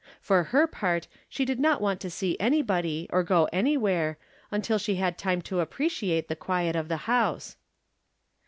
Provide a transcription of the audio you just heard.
For her part, she did not want to see anybody, or go anywhere, until she had time to appreciate the quiet of the house.